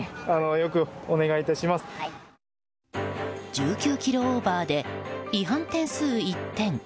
１９キロオーバーで違反点数１点。